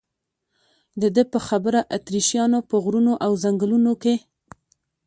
د ده په خبره اتریشیانو په غرونو او ځنګلونو کې.